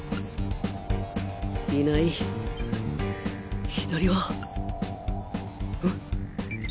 いない左はん？